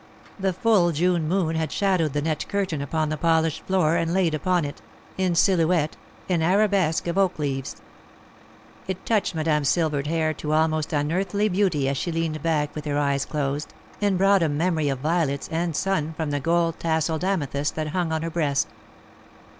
The full June moon had shadowed the net curtain upon the polished floor and laid upon it, in silhouette, an arabesque of oak leaves. It touched Madame's silvered hair to almost unearthly beauty as she leaned back with her eyes closed, and brought a memory of violets and sun from the gold tasselled amethyst that hung on her breast.